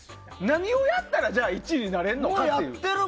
何をやったら１位になれるのかっていう。